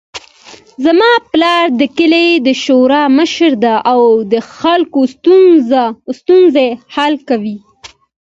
زما پلار د کلي د شورا مشر ده او د خلکو ستونزې حل کوي